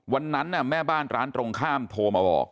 วันนั้นแม่บ้านร้านตรงข้ามโทรมาบอก